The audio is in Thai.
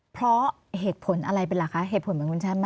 เพราะเหตุผลอะไรเป็นราคาเหตุผลเหมือนคุณฉันมั้ย